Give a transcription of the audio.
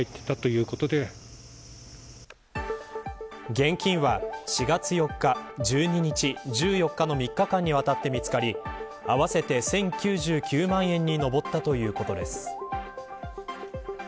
現金は、４月４日、１２日１４日の３日間にわたって見つかり合わせて１０９９万円に上ったということです。